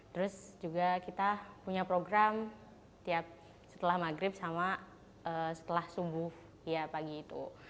terus juga kita punya program setelah maghrib sama setelah subuh ya pagi itu